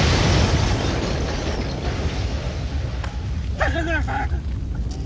高倉さん！